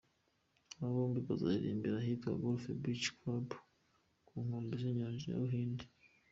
Aba bombi bazaririmbira ahitwa Golf Beach Club ku nkombe z’inyanja y’Abahinde.